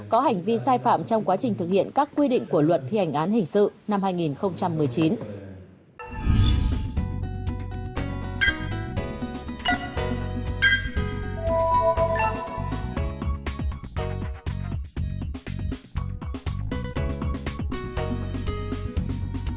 có hành vi sai phạm trong quá trình thực hiện các quy định của luật thi hành án hình sự năm hai nghìn một mươi chín